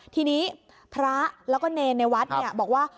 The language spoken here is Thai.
ทีนี้พระแล้วก็เนรในวัดบอกว่า